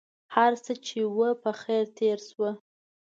هرڅه چې و په خیر تېر شو.